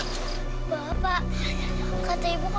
masa dulu lagi